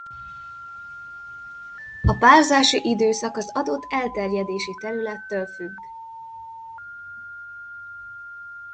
A párzási időszak az adott elterjedési területtől függ.